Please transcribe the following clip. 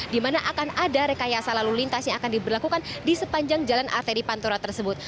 di mana akan ada rekayasa lalu lintas yang akan diberlakukan di sepanjang jalan arteri pantura tersebut